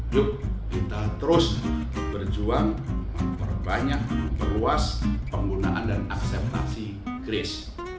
yuk kita terus berjuang memperbanyak memperluas penggunaan dan akseptasi grace